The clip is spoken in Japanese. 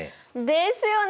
ですよね！